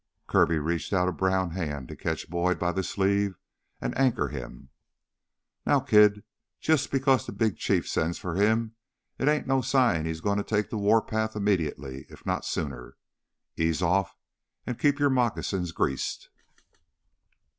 Kirby reached out a brown hand to catch Boyd by the sleeve and anchor him. "Now, kid, jus' because the big chief sends for him, it ain't no sign he's goin' to take the warpath immediately, if not sooner. Ease off, an' keep your moccasins greased!"